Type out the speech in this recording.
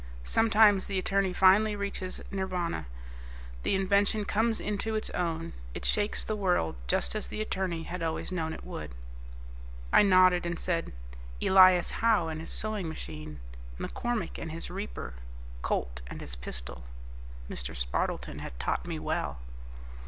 Sometimes the attorney finally reaches Nirvana; the invention comes into its own. It shakes the world, just as the attorney had always known it would." I nodded and said, "Elias Howe and his sewing machine, McCormick and his reaper, Colt and his pistol." Mr. Spardleton had taught me well.